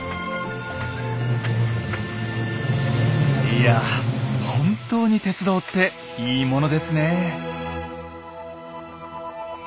いや本当に鉄道っていいものですねえ。